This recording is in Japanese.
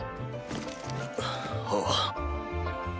ああ。